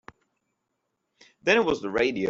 Then it was the radio.